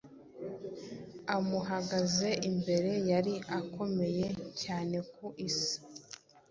amuhagaze imbere, yari akomeye cyane ku isi,